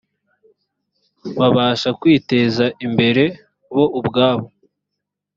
babasha kwiteza imbere bo ubwabo